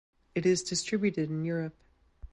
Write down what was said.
It is distributed in Europe.